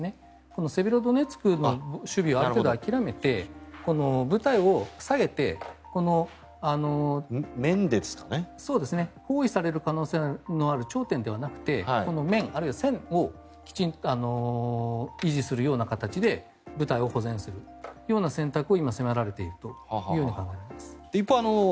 このセベロドネツクの守備をある程度諦めて部隊を下げて包囲される可能性のある頂点ではなくてこの面、あるいは線をきちんと維持するような形で部隊を保全するような選択を今、迫られていると考えていると思います。